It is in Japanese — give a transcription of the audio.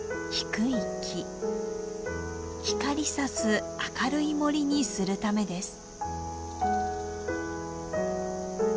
光さす明るい森にするためです。